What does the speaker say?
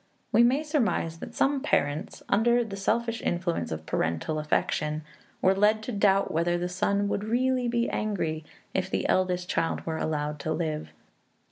We may surmise that some parents, under the selfish influence of parental affection, were led to doubt whether the sun would really be angry if the eldest child were allowed to live.